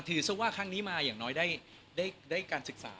ซะว่าครั้งนี้มาอย่างน้อยได้การศึกษา